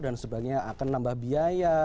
dan sebagainya akan menambah biaya